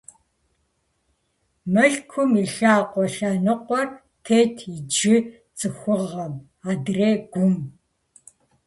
Мылъкум и лъакъуэ лъэныкъуэр тетт иджы ЦӀыхугъэм, адрейр - Гум.